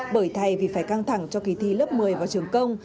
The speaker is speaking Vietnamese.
bởi thay vì phải căng thẳng cho kỳ thi lớp một mươi vào trường công